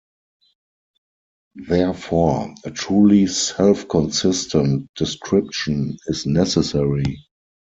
Therefore, a truly self-consistent description is necessary.